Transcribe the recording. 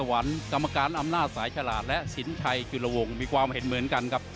วันกรรมการอำนาจสายฉลาดและสินชัยจุลวงมีความเห็นเหมือนกันครับ